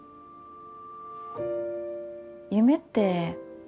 夢って。